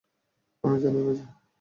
আমি জানি, এমজে।